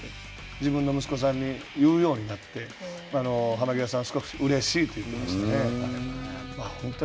自分の息子さんに言うようになって、濱涯さん、少しうれしいと言ってましたね。